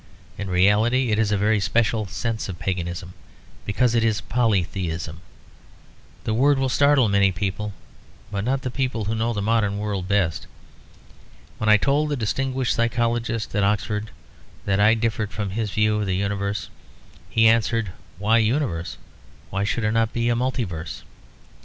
In reality it is in a very special sense paganism; because it is polytheism. The word will startle many people, but not the people who know the modern world best. When I told a distinguished psychologist at Oxford that I differed from his view of the universe, he answered, "Why universe? Why should it not be a multiverse?"